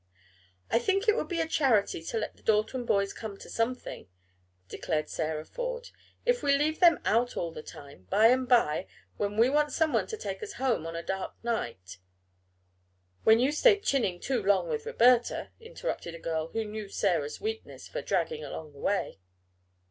"I think it would be a charity to let the Dalton boys come to something," declared Sarah Ford. "If we leave them out all the time, by and by, when we want someone to take us home on a dark night " "When you stay chinning too long with Roberta," interrupted a girl who knew Sarah's weakness for "dragging along the way."